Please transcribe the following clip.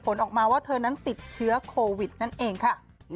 ผลออกมาว่าเธอนั้นติดเชื้อโควิดนั่นเองค่ะ